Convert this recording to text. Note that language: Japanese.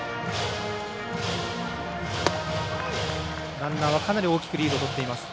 ランナーはかなり大きくリードをとっています。